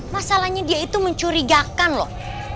masalahnya dia itu mencurigakan loh